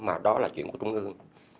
mà đó là chuyện của trung ương